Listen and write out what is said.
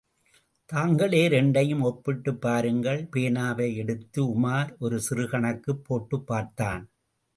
தாங்களே இரண்டையும் ஒப்பிட்டுப் பாருங்கள். பேனாவை எடுத்து உமார் ஒரு சிறு கணக்குப் போட்டுப்பார்த்தான்.